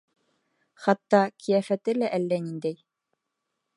Хатта ҡиәфәте лә әллә ниндәй.